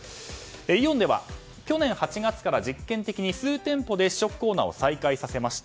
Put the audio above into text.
イオンでは去年８月から実験的に数店舗で試食コーナーを再開させました。